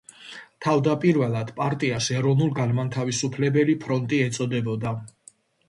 თავდაპირველად პარტიას ეროვნულ-განმათავისუფლებელი ფრონტი ეწოდებოდა.